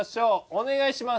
お願いします。